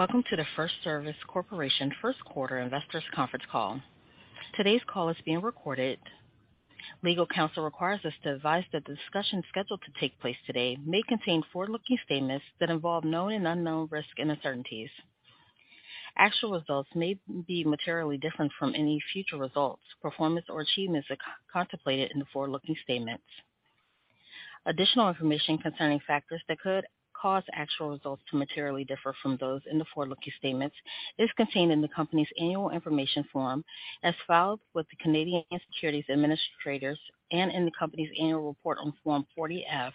Welcome to the FirstService Corporation first quarter investors conference call. Today's call is being recorded. Legal counsel requires us to advise that the discussion scheduled to take place today may contain forward-looking statements that involve known and unknown risks and uncertainties. Actual results may be materially different from any future results, performance, or achievements contemplated in the forward-looking statements. Additional information concerning factors that could cause actual results to materially differ from those in the forward-looking statements is contained in the company's annual information form, as filed with the Canadian Securities Administrators and in the company's annual report on Form 40-F,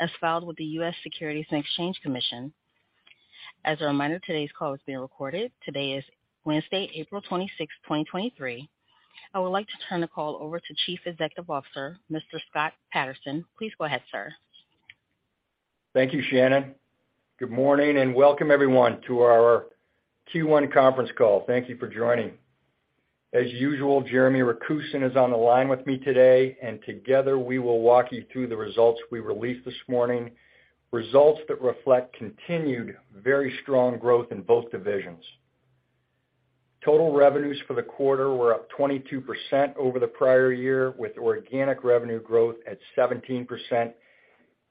as filed with the US Securities and Exchange Commission. As a reminder, today's call is being recorded. Today is Wednesday, April 26th, 2023. I would like to turn the call over to Chief Executive Officer, Mr. Scott Patterson. Please go ahead, sir. Thank you, Shannon. Good morning, welcome everyone to our Q1 conference call. Thank you for joining. As usual, Jeremy Rakusin is on the line with me today, and together we will walk you through the results we released this morning, results that reflect continued very strong growth in both divisions. Total revenues for the quarter were up 22% over the prior year, with organic revenue growth at 17%.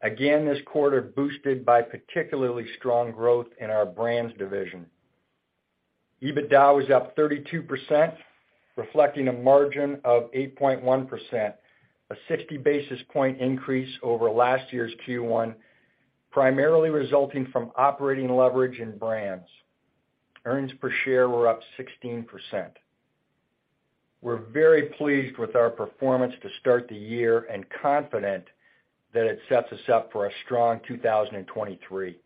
Again, this quarter boosted by particularly strong growth in our Brands division. EBITDA was up 32%, reflecting a margin of 8.1%, a 60 basis point increase over last year's Q1, primarily resulting from operating leverage in Brands. Earnings per share were up 16%. We're very pleased with our performance to start the year and confident that it sets us up for a strong 2023.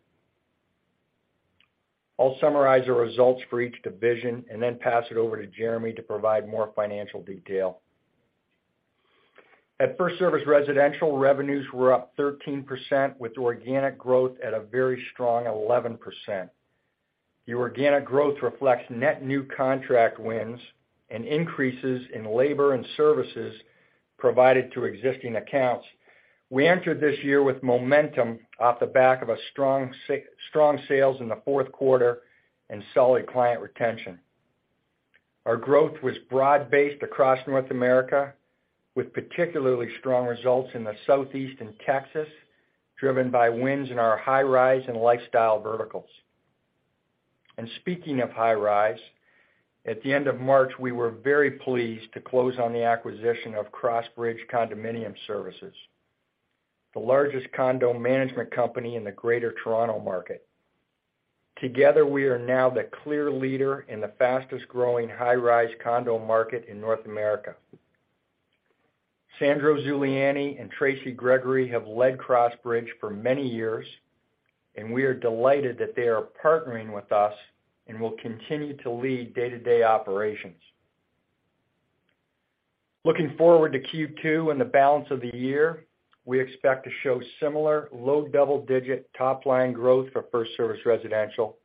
I'll summarize the results for each division and then pass it over to Jeremy to provide more financial detail. At FirstService Residential, revenues were up 13% with organic growth at a very strong 11%. The organic growth reflects net new contract wins and increases in labor and services provided to existing accounts. We entered this year with momentum off the back of a strong sales in the fourth quarter and solid client retention. Our growth was broad-based across North America, with particularly strong results in the Southeast and Texas, driven by wins in our high-rise and lifestyle verticals. Speaking of high-rise, at the end of March, we were very pleased to close on the acquisition of Crossbridge Condominium Services, the largest condo management company in the Greater Toronto market. Together, we are now the clear leader in the fastest-growing high-rise condo market in North America. Sandro Zuliani and Tracy Gregory have led Crossbridge for many years, and we are delighted that they are partnering with us and will continue to lead day-to-day operations. Looking forward to Q2 and the balance of the year, we expect to show similar low double-digit top line growth for FirstService Residential,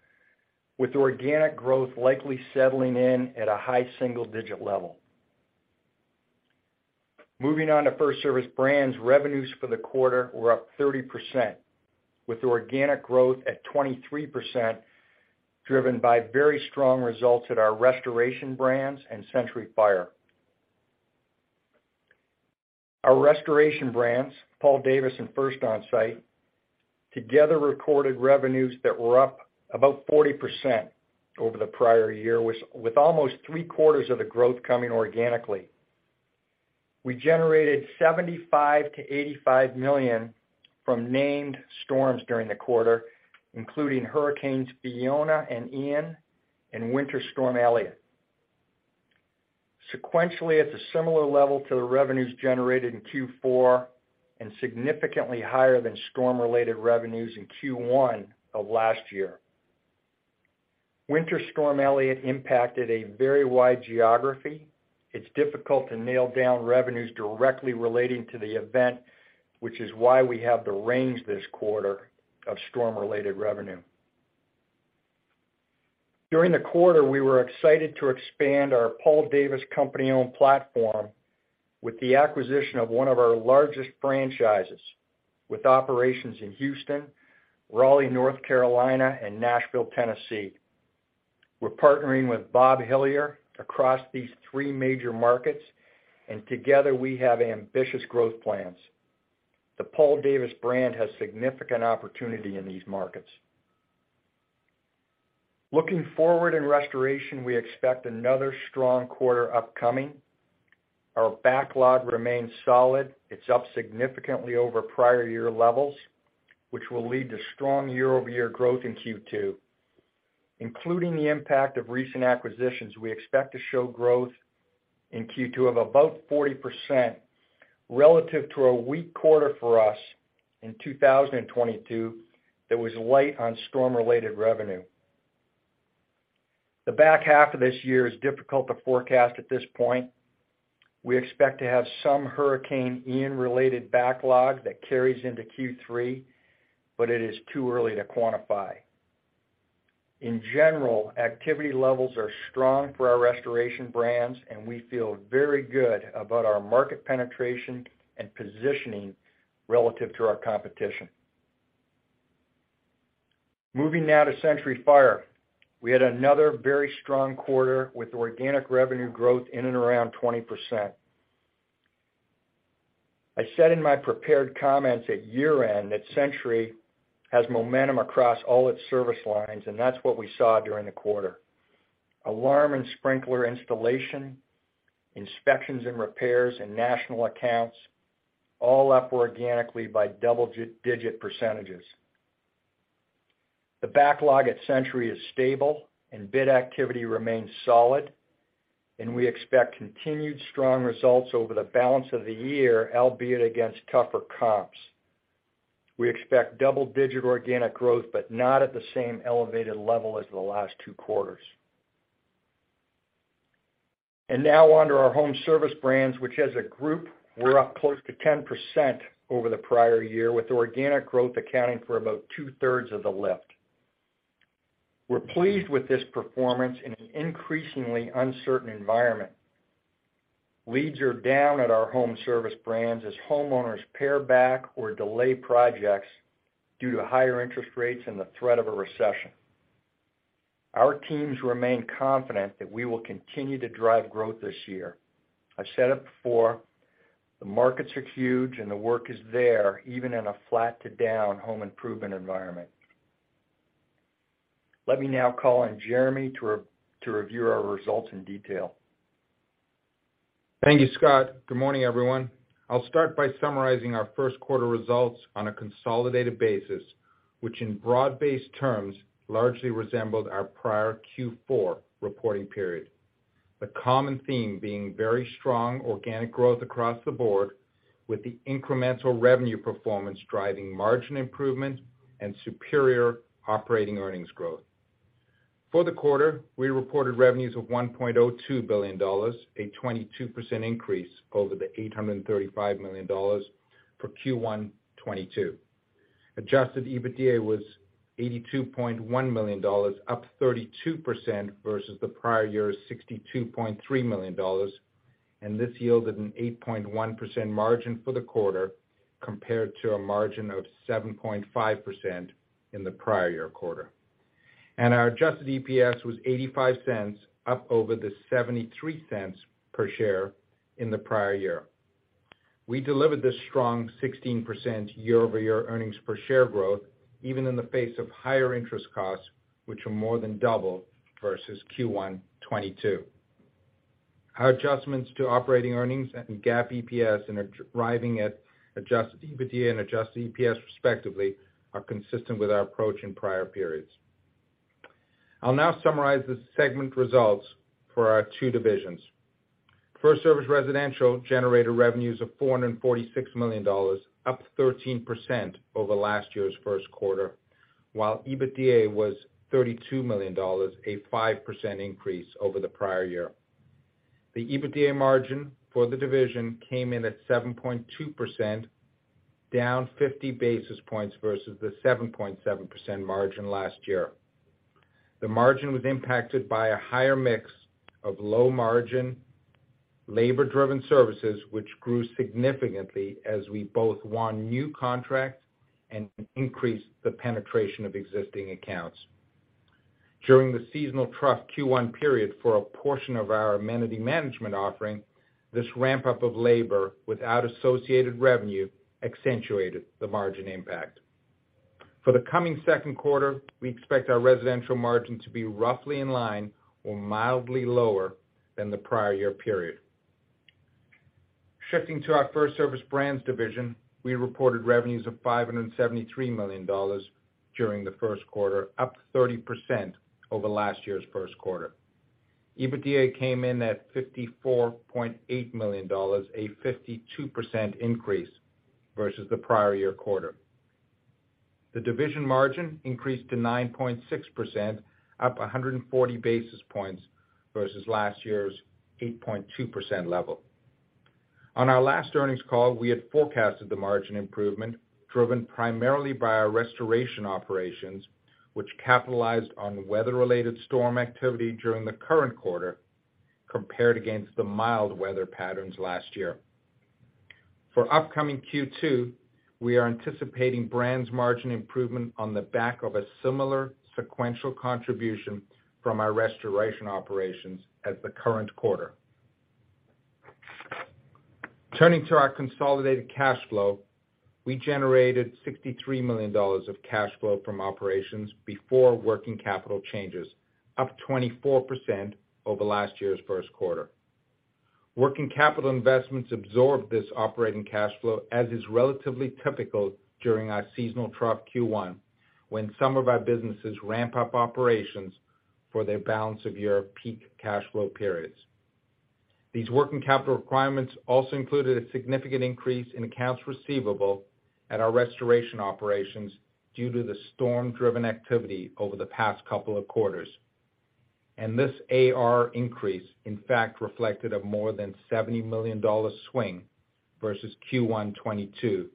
with organic growth likely settling in at a high single-digit level. Moving on to FirstService Brands, revenues for the quarter were up 30%, with organic growth at 23%, driven by very strong results at our restoration brands and Century Fire. Our restoration brands, Paul Davis and First Onsite, together recorded revenues that were up about 40% over the prior year, with almost three-quarters of the growth coming organically. We generated $75 million-$85 million from named storms during the quarter, including Hurricanes Fiona and Ian and Winter Storm Elliott. Sequentially, it's a similar level to the revenues generated in Q4 and significantly higher than storm-related revenues in Q1 of last year. Winter Storm Elliott impacted a very wide geography. It's difficult to nail down revenues directly relating to the event, which is why we have the range this quarter of storm-related revenue. During the quarter, we were excited to expand our Paul Davis company-owned platform with the acquisition of one of our largest franchises with operations in Houston, Raleigh, North Carolina, and Nashville, Tennessee. We're partnering with Bob Hillier across these three major markets, and together we have ambitious growth plans. The Paul Davis brand has significant opportunity in these markets. Looking forward in restoration, we expect another strong quarter upcoming. Our backlog remains solid. It's up significantly over prior year levels, which will lead to strong year-over-year growth in Q2. Including the impact of recent acquisitions, we expect to show growth in Q2 of about 40% relative to a weak quarter for us in 2022 that was light on storm-related revenue. The back half of this year is difficult to forecast at this point. We expect to have some Hurricane Ian-related backlog that carries into Q3, but it is too early to quantify. In general, activity levels are strong for our restoration brands, and we feel very good about our market penetration and positioning relative to our competition. Moving now to Century Fire. We had another very strong quarter with organic revenue growth in and around 20%. I said in my prepared comments at year-end that Century has momentum across all its service lines, and that's what we saw during the quarter. Alarm and sprinkler installation, inspections and repairs, and national accounts all up organically by double-digit %. The backlog at Century is stable, bid activity remains solid, and we expect continued strong results over the balance of the year, albeit against tougher comps. We expect double-digit organic growth, not at the same elevated level as the last two quarters. Now onto our home service brands, which as a group, were up close to 10% over the prior year, with organic growth accounting for about two-thirds of the lift. We're pleased with this performance in an increasingly uncertain environment. Leads are down at our home service brands as homeowners pare back or delay projects due to higher interest rates and the threat of a recession. Our teams remain confident that we will continue to drive growth this year. I said it before, the markets are huge, and the work is there, even in a flat to down home improvement environment. Let me now call on Jeremy to review our results in detail. Thank you, Scott. Good morning, everyone. I'll start by summarizing our first quarter results on a consolidated basis, which in broad-based terms, largely resembled our prior Q4 reporting period. The common theme being very strong organic growth across the board, with the incremental revenue performance driving margin improvement and superior operating earnings growth. For the quarter, we reported revenues of $1.02 billion, a 22% increase over the $835 million for Q1 2022. Adjusted EBITDA was $82.1 million, up 32% versus the prior year's $62.3 million. This yielded an 8.1% margin for the quarter compared to a margin of 7.5% in the prior year quarter. Our Adjusted EPS was $0.85, up over the $0.73 per share in the prior year. We delivered this strong 16% year-over-year earnings per share growth even in the face of higher interest costs, which were more than double versus Q1 2022. Our adjustments to operating earnings and GAAP EPS arriving at adjusted EBITDA and adjusted EPS respectively, are consistent with our approach in prior periods. I'll now summarize the segment results for our two divisions. FirstService Residential generated revenues of $446 million, up 13% over last year's first quarter, while EBITDA was $32 million, a 5% increase over the prior year. The EBITDA margin for the division came in at 7.2%, down 50 basis points versus the 7.7% margin last year. The margin was impacted by a higher mix of low margin, labor-driven services which grew significantly as we both won new contracts and increased the penetration of existing accounts. During the seasonal trust Q1 period for a portion of our amenity management offering, this ramp-up of labor without associated revenue accentuated the margin impact. For the coming second quarter, we expect our residential margin to be roughly in line or mildly lower than the prior year period. Shifting to our FirstService Brands division, we reported revenues of $573 million during the first quarter, up 30% over last year's first quarter. EBITDA came in at $54.8 million, a 52% increase versus the prior year quarter. The division margin increased to 9.6%, up 140 basis points versus last year's 8.2% level. On our last earnings call, we had forecasted the margin improvement driven primarily by our restoration operations, which capitalized on weather-related storm activity during the current quarter compared against the mild weather patterns last year. For upcoming Q2, we are anticipating Brands margin improvement on the back of a similar sequential contribution from our restoration operations as the current quarter. Turning to our consolidated cash flow, we generated $63 million of cash flow from operations before working capital changes, up 24% over last year's first quarter. Working capital investments absorbed this operating cash flow, as is relatively typical during our seasonal trough Q1, when some of our businesses ramp up operations for their balance of year peak cash flow periods. These working capital requirements also included a significant increase in accounts receivable at our restoration operations due to the storm-driven activity over the past couple of quarters. This AR increase, in fact, reflected a more than $70 million swing versus Q1 2022,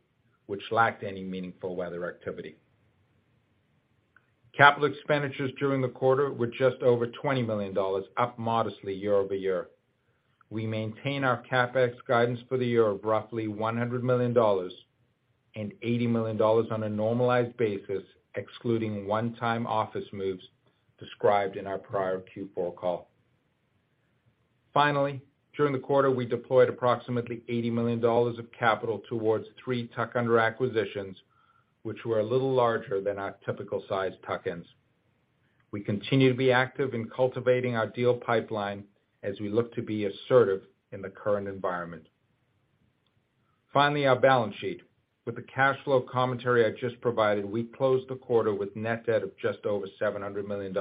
which lacked any meaningful weather activity. Capital expenditures during the quarter were just over $20 million, up modestly year-over-year. We maintain our CapEx guidance for the year of roughly $100 million and $80 million on a normalized basis, excluding one-time office moves described in our prior Q4 call. During the quarter, we deployed approximately $80 million of capital towards three tuck-under acquisitions, which were a little larger than our typical size tuck-ins. We continue to be active in cultivating our deal pipeline as we look to be assertive in the current environment. Our balance sheet. With the cash flow commentary I just provided, we closed the quarter with net debt of just over $700 million,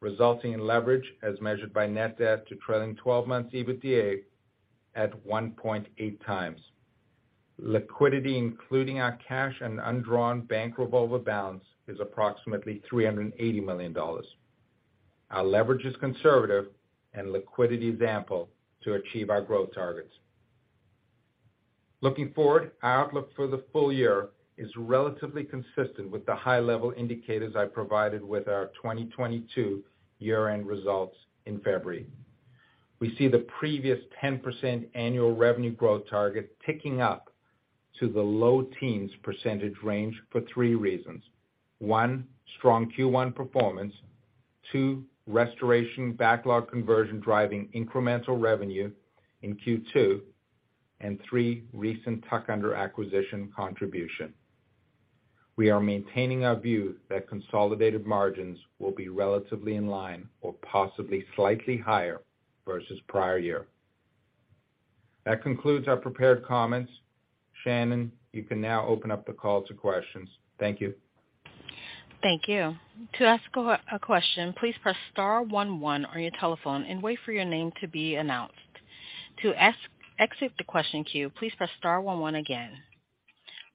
resulting in leverage as measured by net debt to trailing twelve months EBITDA at 1.8x. Liquidity, including our cash and undrawn bank revolver balance, is approximately $380 million. Our leverage is conservative and liquidity is ample to achieve our growth targets. Looking forward, our outlook for the full year is relatively consistent with the high-level indicators I provided with our 2022 year-end results in February. We see the previous 10% annual revenue growth target ticking up to the low teens percentage range for three reasons. One, strong Q1 performance. Two, restoration backlog conversion driving incremental revenue in Q2. Three, recent tuck-under acquisition contribution. We are maintaining our view that consolidated margins will be relatively in line or possibly slightly higher versus prior year. That concludes our prepared comments. Shannon, you can now open up the call to questions. Thank you. Thank you. To ask a question, please press star one one on your telephone and wait for your name to be announced. To exit the question queue, please press star one one again.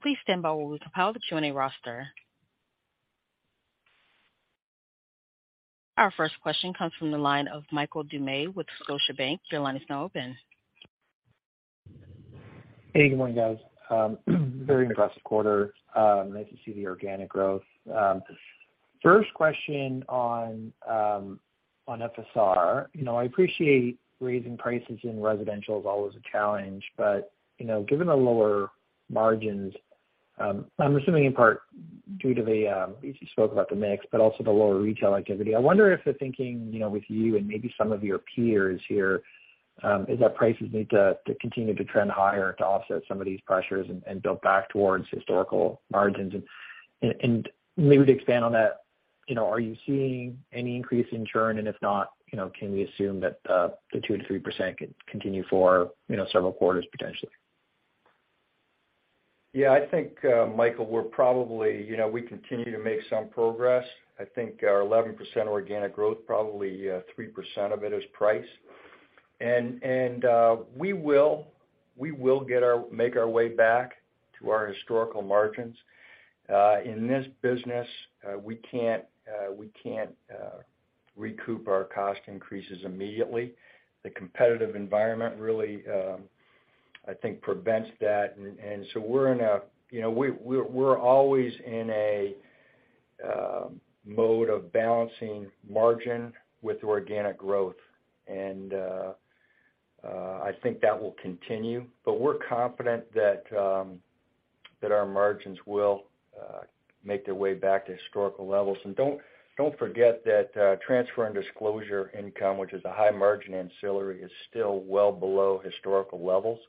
Please stand by while we compile the Q&A roster. Our first question comes from the line of Michael Doumet with Scotiabank. Your line is now open. Hey, good morning, guys. Very impressive quarter. Nice to see the organic growth. First question on FSR. You know, I appreciate raising prices in residential is always a challenge. You know, given the lower margins, I'm assuming in part due to the, you spoke about the mix, but also the lower retail activity. I wonder if the thinking, you know, with you and maybe some of your peers here, is that prices need to continue to trend higher to offset some of these pressures and build back towards historical margins. Maybe to expand on that, you know, are you seeing any increase in churn? If not, you know, can we assume that the 2%-3% can continue for, you know, several quarters potentially? Yeah, I think, Michael, we're probably, you know, we continue to make some progress. I think our 11% organic growth, probably, 3% of it is price. We will make our way back to our historical margins. In this business, we can't recoup our cost increases immediately. The competitive environment really, I think prevents that. So we're in a, you know, we're always in a mode of balancing margin with organic growth. I think that will continue. We're confident that our margins will make their way back to historical levels. Don't forget that transfer and disclosure income, which is a high margin ancillary, is still well below historical levels.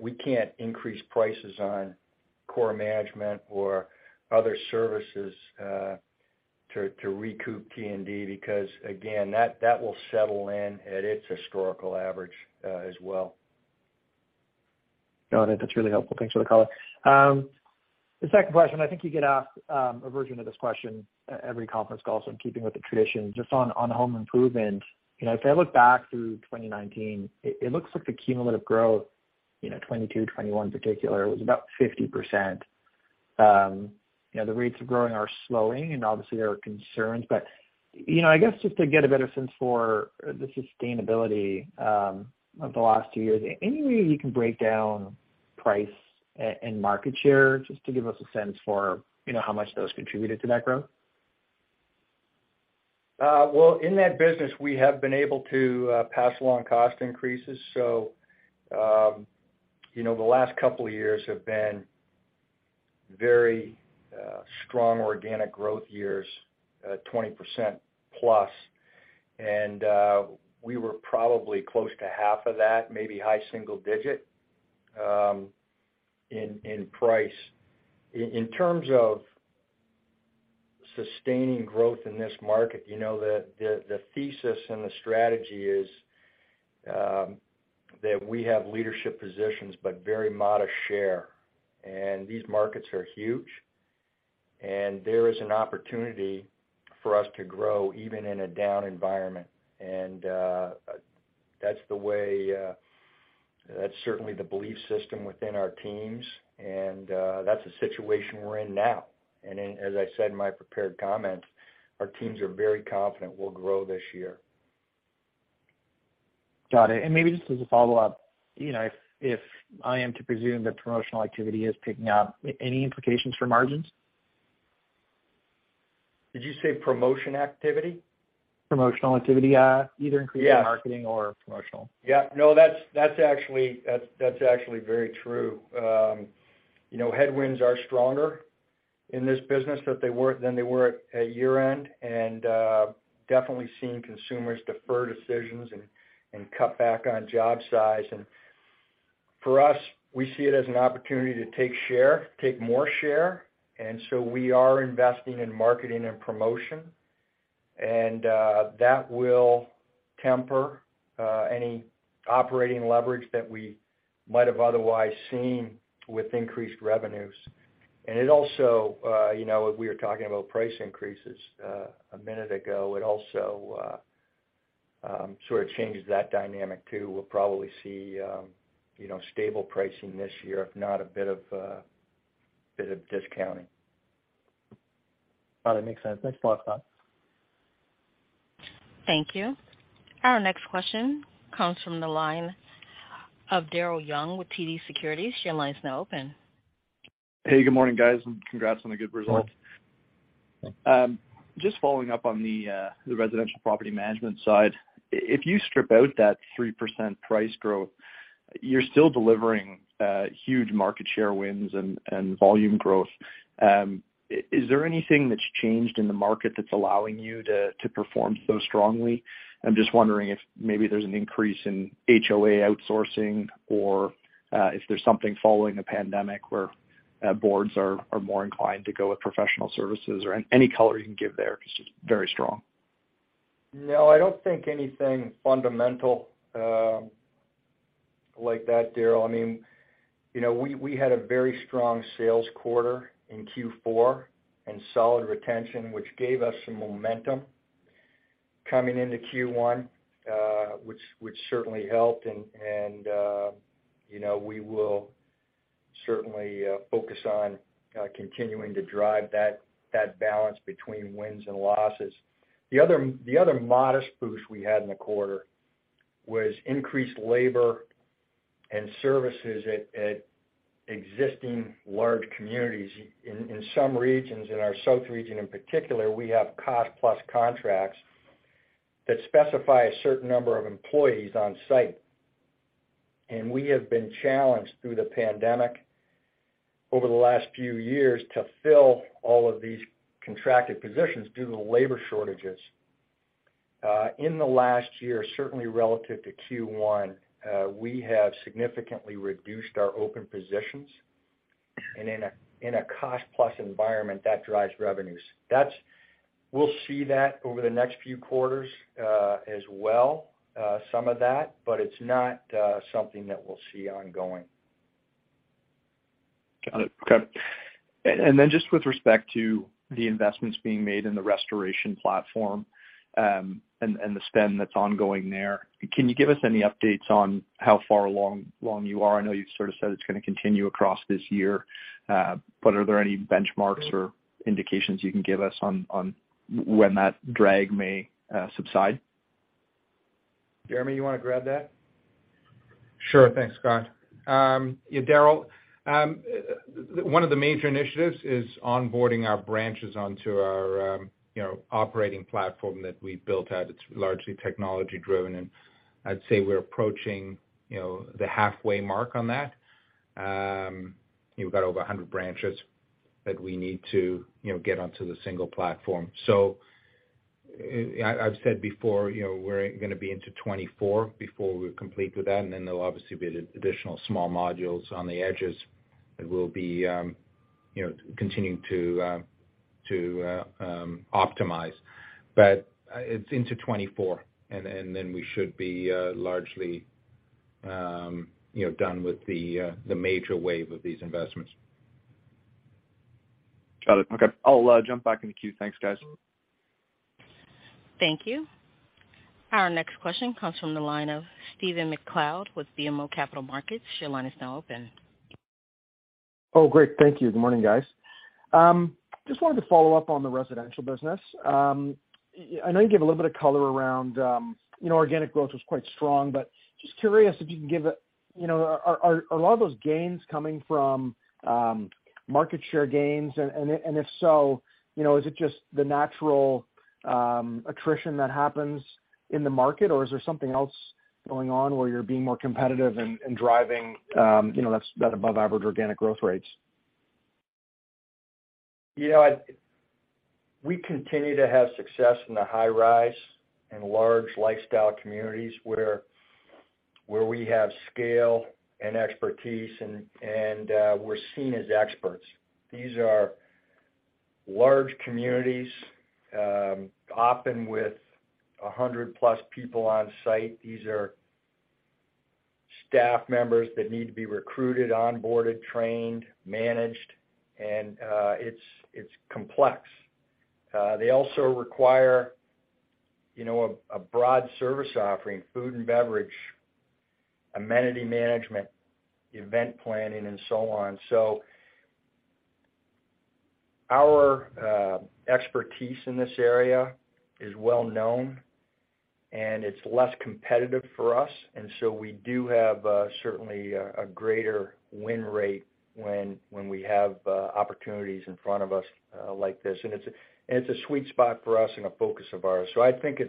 We can't increase prices on core management or other services to recoup T&D because again, that will settle in at its historical average as well. No, I think that's really helpful. Thanks for the color. The second question, I think you get asked, a version of this question at every conference call, so I'm keeping with the tradition. Just on home improvement, you know, if I look back through 2019, it looks like the cumulative growth, you know, 2022, 2021 particular, was about 50%. You know, the rates of growing are slowing and obviously there are concerns. I guess just to get a better sense for the sustainability, of the last two years, any way you can break down price and market share just to give us a sense for, you know, how much those contributed to that growth? Well, in that business, we have been able to pass along cost increases. You know, the last couple of years have been very strong organic growth years, 20% plus. We were probably close to half of that, maybe high single digit in price. In terms of sustaining growth in this market, you know, the thesis and the strategy is that we have leadership positions but very modest share. These markets are huge, and there is an opportunity for us to grow even in a down environment. That's the way, that's certainly the belief system within our teams, and that's the situation we're in now. As I said in my prepared comments, our teams are very confident we'll grow this year. Got it. Maybe just as a follow-up, you know, if I am to presume that promotional activity is picking up, any implications for margins? Did you say promotion activity? Promotional activity. Yeah Either increased marketing or promotional. Yeah. No, that's actually, that's actually very true. You know, headwinds are stronger in this business than they were at year-end, and definitely seeing consumers defer decisions and cut back on job size. For us, we see it as an opportunity to take share, take more share, we are investing in marketing and promotion. That will temper any operating leverage that we might have otherwise seen with increased revenues. It also, you know, we were talking about price increases a minute ago. It also sort of changes that dynamic too. We'll probably see, you know, stable pricing this year, if not a bit of discounting. Got it. Makes sense. Thanks a lot, Scott. Thank you. Our next question comes from the line of Daryl Young with TD Securities. Your line is now open. Hey, good morning, guys, and congrats on the good results. Just following up on the residential property management side. If you strip out that 3% price growth, you're still delivering huge market share wins and volume growth. Is there anything that's changed in the market that's allowing you to perform so strongly? I'm just wondering if maybe there's an increase in HOA outsourcing or if there's something following the pandemic where boards are more inclined to go with professional services or any color you can give there 'cause it's very strong. No, I don't think anything fundamental, like that, Daryl. I mean, you know, we had a very strong sales quarter in Q4 and solid retention, which gave us some momentum coming into Q1, which certainly helped, and, you know, we will certainly focus on continuing to drive that balance between wins and losses. The other modest boost we had in the quarter was increased labor and services at existing large communities. In some regions, in our south region in particular, we have cost plus contracts that specify a certain number of employees on site. We have been challenged through the pandemic over the last few years to fill all of these contracted positions due to labor shortages. In the last year, certainly relative to Q1, we have significantly reduced our open positions. In a cost plus environment, that drives revenues. That's we'll see that over the next few quarters, as well, some of that, but it's not, something that we'll see ongoing. Got it. Okay. Then just with respect to the investments being made in the restoration platform, and the spend that's ongoing there, can you give us any updates on how far along you are? I know you've sort of said it's gonna continue across this year, but are there any benchmarks or indications you can give us on when that drag may subside? Jeremy, you wanna grab that? Sure. Thanks, Scott. Yeah, Daryl, one of the major initiatives is onboarding our branches onto our, you know, operating platform that we built out. It's largely technology driven, and I'd say we're approaching, you know, the halfway mark on that. We've got over 100 branches that we need to, you know, get onto the single platform. I've said before, you know, we're gonna be into 2024 before we're complete with that, and then there'll obviously be additional small modules on the edges that we'll be, you know, continuing to optimize. It's into 2024 and then we should be, largely, you know, done with the major wave of these investments. Got it. Okay. I'll jump back in the queue. Thanks, guys. Thank you. Our next question comes from the line of Stephen MacLeod with BMO Capital Markets. Your line is now open. Oh, great. Thank you. Good morning, guys. Just wanted to follow up on the residential business. I know you gave a little bit of color around, you know, organic growth was quite strong, but just curious if you can give a... You know, are a lot of those gains coming from market share gains? If so, you know, is it just the natural attrition that happens in the market, or is there something else going on where you're being more competitive and driving, you know, that above average organic growth rates? You know, we continue to have success in the high rise and large lifestyle communities where we have scale and expertise and we're seen as experts. These are large communities, often with 100+ people on site. These are staff members that need to be recruited, onboarded, trained, managed, and it's complex. They also require, you know, a broad service offering, food and beverage, amenity management, event planning, and so on. Our expertise in this area is well known and it's less competitive for us. We do have certainly a greater win rate when we have opportunities in front of us like this. It's a sweet spot for us and a focus of ours. I think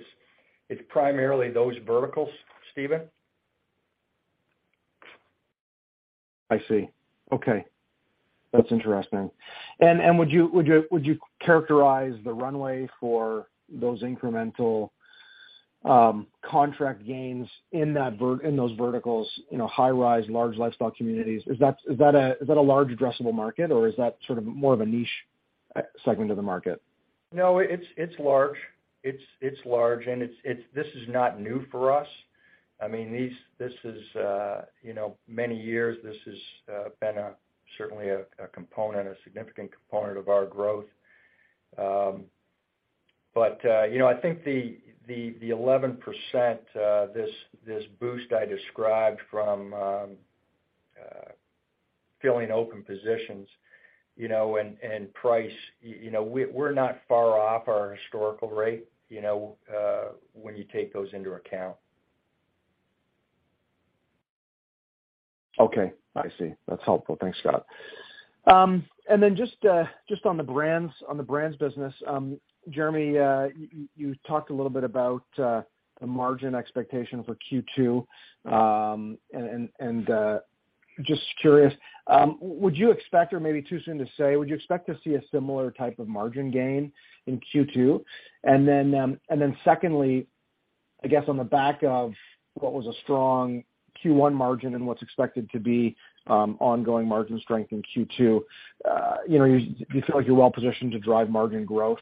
it's primarily those verticals, Stephen. I see. Okay. That's interesting. Would you characterize the runway for those incremental, contract gains in that in those verticals, you know, high rise, large lifestyle communities? Is that a large addressable market or is that sort of more of a niche, segment of the market? No, it's large. It's large and it's, this is not new for us. I mean, this is, you know, many years this has been a, certainly a component, a significant component of our growth. You know, I think the 11%, this boost I described from filling open positions, you know, and price, you know, we're not far off our historical rate, you know, when you take those into account. Okay. I see. That's helpful. Thanks, Scott. Just on the brands business, Jeremy, you talked a little bit about the margin expectation for Q2. Just curious, would you expect or maybe too soon to say, would you expect to see a similar type of margin gain in Q2? Secondly, I guess on the back of what was a strong Q1 margin and what's expected to be ongoing margin strength in Q2, you know, do you feel like you're well positioned to drive margin growth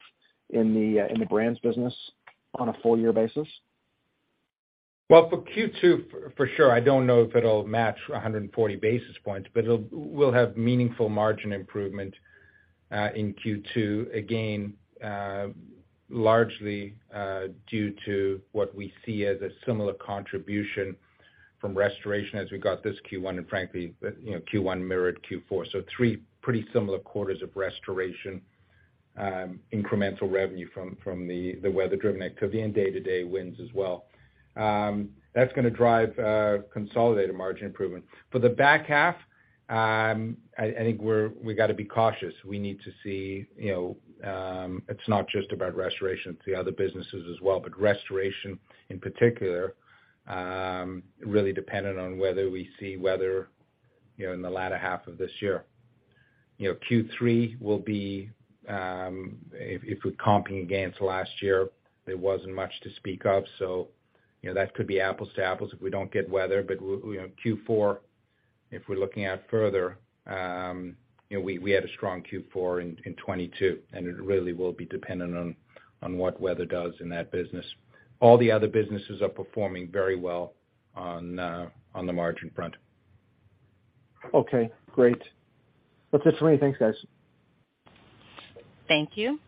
in the brands business on a full year basis? Well, for Q2, for sure. I don't know if it'll match 140 basis points, but we'll have meaningful margin improvement in Q2, again, largely due to what we see as a similar contribution from restoration as we got this Q1. Frankly, you know, Q1 mirrored Q4. Three pretty similar quarters of restoration, incremental revenue from the weather-driven activity and day-to-day wins as well. That's gonna drive consolidated margin improvement. For the back half, I think we gotta be cautious. We need to see, you know, it's not just about restoration, it's the other businesses as well. Restoration in particular, really dependent on whether we see weather, you know, in the latter half of this year. You know, Q3 will be, if we're comping against last year, there wasn't much to speak of. You know, that could be apples to apples if we don't get weather. You know, Q4, if we're looking at further, you know, we had a strong Q4 in 2022, it really will be dependent on what weather does in that business. All the other businesses are performing very well on the margin front. Okay, great. That's it for me. Thanks, guys. Thank you.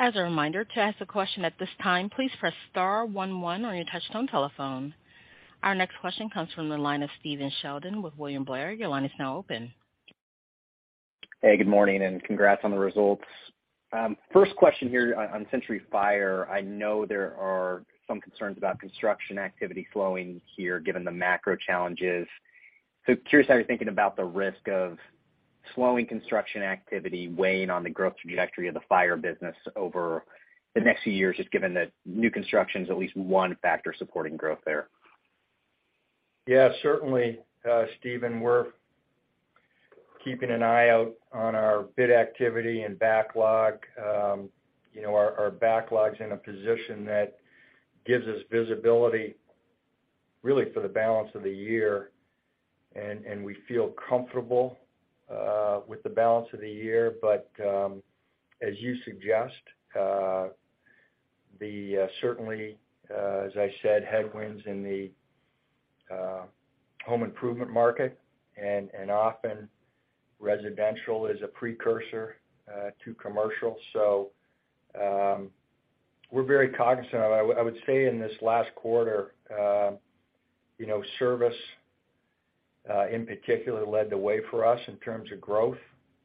As a reminder, to ask a question at this time, please press star one one on your touchtone telephone. Our next question comes from the line of Stephen Sheldon with William Blair. Your line is now open. Hey, good morning. Congrats on the results. First question here on Century Fire. I know there are some concerns about construction activity slowing here given the macro challenges. Curious how you're thinking about the risk of slowing construction activity weighing on the growth trajectory of the fire business over the next few years, just given that new construction is at least one factor supporting growth there. Certainly, Stephen, we're keeping an eye out on our bid activity and backlog. You know, our backlog's in a position that gives us visibility really for the balance of the year, and we feel comfortable with the balance of the year. As you suggest, certainly, as I said, headwinds in the home improvement market and often residential is a precursor to commercial. We're very cognizant of that. I would say in this last quarter, you know, service in particular led the way for us in terms of growth,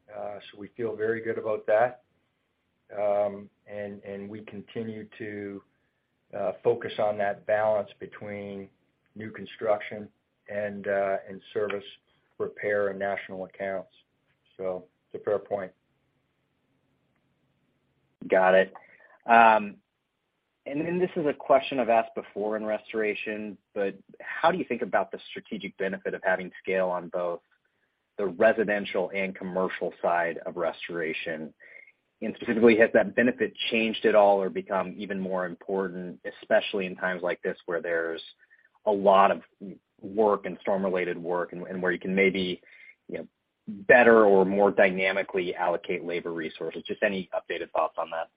so we feel very good about that. We continue to focus on that balance between new construction and service repair and national accounts. It's a fair point. Got it. This is a question I've asked before in restoration, but how do you think about the strategic benefit of having scale on both the residential and commercial side of restoration? Specifically, has that benefit changed at all or become even more important, especially in times like this where there's a lot of work and storm-related work and where you can maybe, you know, better or more dynamically allocate labor resources? Just any updated thoughts on that?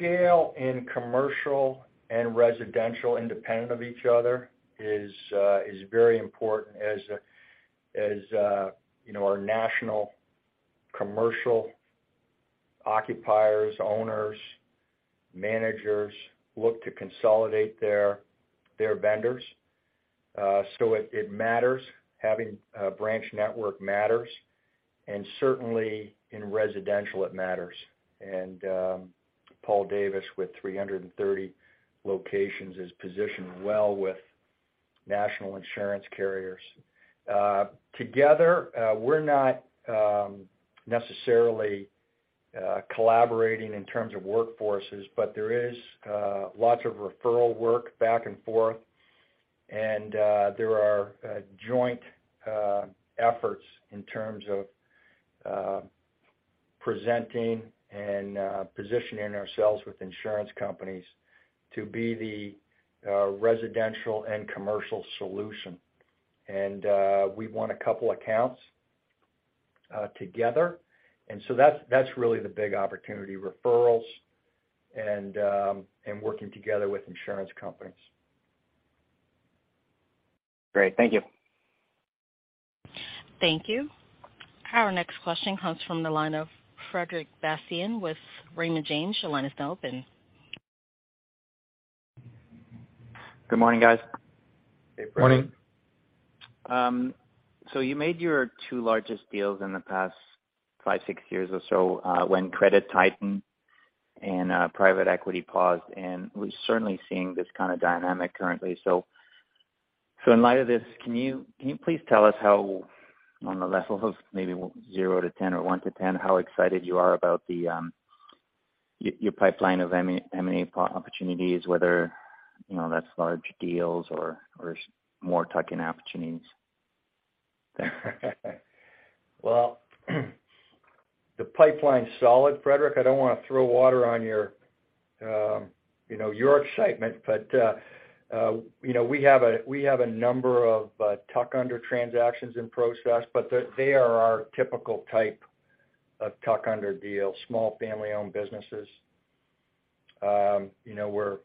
Scale in commercial and residential independent of each other is very important as you know, our national commercial occupiers, owners, managers look to consolidate their vendors. So it matters. Having a branch network matters and certainly in residential it matters. Paul Davis, with 330 locations, is positioned well with national insurance carriers. Together, we're not necessarily collaborating in terms of workforces, but there is lots of referral work back and forth, and there are joint efforts in terms of presenting and positioning ourselves with insurance companies to be the residential and commercial solution. we won a couple accounts together, and so that's really the big opportunity, referrals and working together with insurance companies. Great. Thank you. Thank you. Our next question comes from the line of Frederic Bastien with Raymond James. Your line is now open. Good morning, guys. Good morning. Morning. You made your 2 largest deals in the past 5, 6 years or so, when credit tightened and private equity paused. We're certainly seeing this kind of dynamic currently. In light of this, can you please tell us how, on a level of maybe 0 to 10 or 1 to 10, how excited you are about the pipeline of M&A opportunities, whether, you know, that's large deals or more tuck-in opportunities? Well, the pipeline's solid, Frederic. I don't wanna throw water on your, you know, your excitement, but, you know, we have a, we have a number of tuck under transactions in process, but they're, they are our typical type of tuck under deals, small family-owned businesses. You know, we're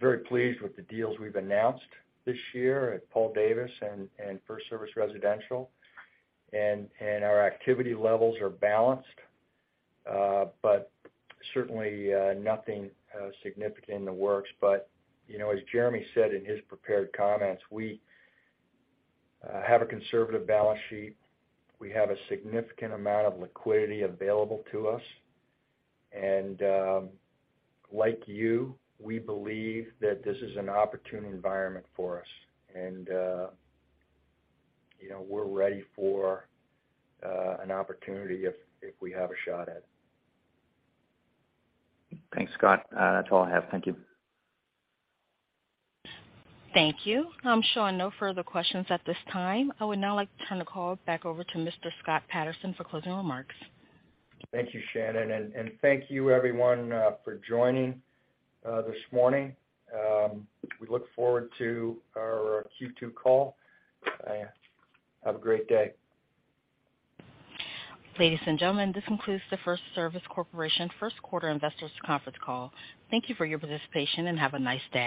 very pleased with the deals we've announced this year at Paul Davis and FirstService Residential. Our activity levels are balanced, but certainly, nothing significant in the works. You know, as Jeremy said in his prepared comments, we have a conservative balance sheet. We have a significant amount of liquidity available to us. Like you, we believe that this is an opportune environment for us and, you know, we're ready for an opportunity if we have a shot at it. Thanks, Scott. That's all I have. Thank you. Thank you. I'm showing no further questions at this time. I would now like to turn the call back over to Mr. Scott Patterson for closing remarks. Thank you, Shannon. Thank you everyone for joining this morning. We look forward to our Q2 call. Have a great day. Ladies and gentlemen, this concludes the FirstService Corporation first quarter investors conference call. Thank you for your participation, and have a nice day.